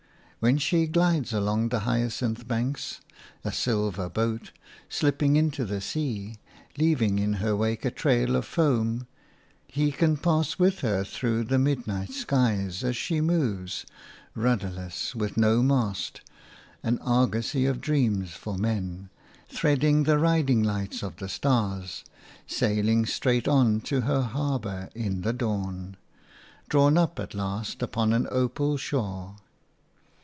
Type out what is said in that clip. When she glides along the hyacinth banks – a silver boat, slipping into the sea, leaving in her wake a trail of foam – he can pass with her through the midnight skies as she moves, rudderless, with no mast, an argosy of dreams for men, threading the riding lights of the stars, sailing straight on to her harbour in the dawn, drawn up at last upon an opal shore.